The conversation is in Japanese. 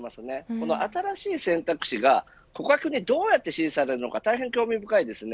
この新しい選択肢が顧客にどうやって支持されるのか大変興味深いです。